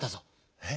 え⁉